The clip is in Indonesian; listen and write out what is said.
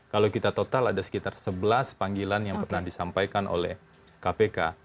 kalau kita total ada sekitar sebelas panggilan yang pernah disampaikan oleh kpk